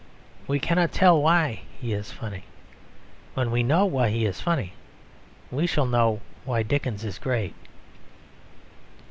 We cannot tell why he is funny. When we know why he is funny we shall know why Dickens is great.